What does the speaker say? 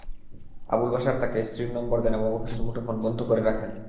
আবুল বাশার তাকে স্ত্রীর নম্বর দেন এবং অফিসের মুঠোফোন বন্ধ করে রাখেন।